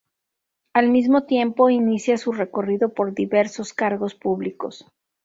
Al mismo tiempo inicia su recorrido por diversos cargos públicos.